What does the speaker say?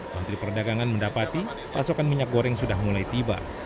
menteri perdagangan mendapati pasokan minyak goreng sudah mulai tiba